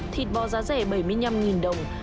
thịt bò giá rẻ bảy mươi năm đồng